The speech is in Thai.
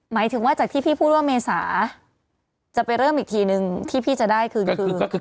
หมายถึงว่าจากที่พี่พูดว่าเมษาจะไปเริ่มอีกทีนึงที่พี่จะได้คืนคือ